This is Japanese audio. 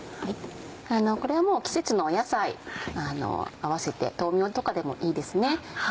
これはもう季節の野菜合わせて豆苗とかでもいいです。